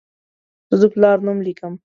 زه د پلار نوم لیکم.